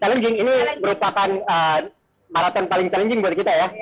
challenging ini merupakan marathons paling challenging buat kita ya